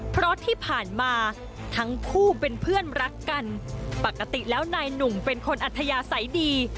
เพราะที่ผ่านมาทั้งคู่เป็นเพื่อนรักกันปกติแล้วนายหนุ่มเป็นคนอัธยาศัยดี